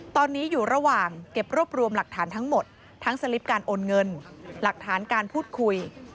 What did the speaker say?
ตอนนี้อยู่ระหว่างเก็บรวบรวมหลักฐานทั้งหมดทั้งสลิปการโอนเงินหลักฐานการพูดคุย